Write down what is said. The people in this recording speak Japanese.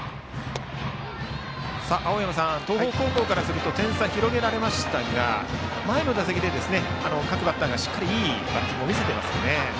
青山さん、東邦高校からすると点差を広げられましたが前の打席で各バッターがしっかりいいバッティングを見せていますよね。